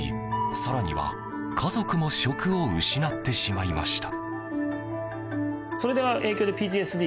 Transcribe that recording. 更には家族も職を失ってしまいました。